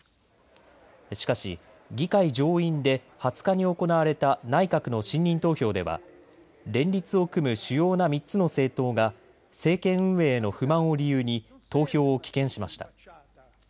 しかし議会上院で２０日に行われた内閣の信任投票では連立を組む主要な３つの政党が政権運営への不満を理由に投票を棄権しました。